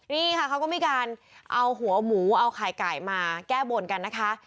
นี่ค่ะเขาก็มีการเอาหัวหมูเอาไข่ไก่มาแก้บนกันนะคะ